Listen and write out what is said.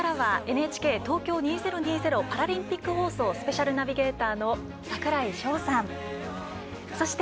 ここからはＮＨＫ東京２０２０パラリンピック放送スペシャルナビゲーター櫻井翔さん。